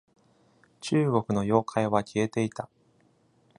中国の妖怪は消えていた。